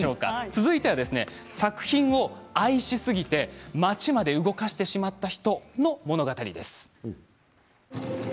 続いては作品を愛しすぎて町まで動かしてしまった人の物語です。